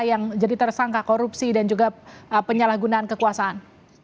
yang jadi tersangka korupsi dan juga penyalahgunaan kekuasaan